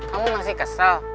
kamu masih kesel